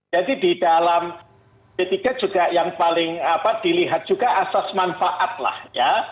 jadi di dalam d tiga juga yang paling apa dilihat juga asas manfaat lah ya